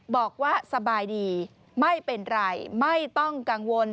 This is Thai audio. บอกว่าสบายดีไม่เป็นไรไม่ต้องกังวล